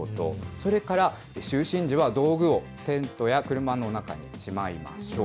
それから、就寝時は道具をテントや車の中にしまいましょう。